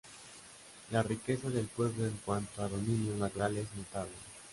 La riqueza del pueblo en cuanto a dominio natural es notable.